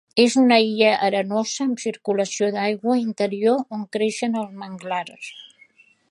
És una illa arenosa amb circulació d'aigua interior on creixen els manglars.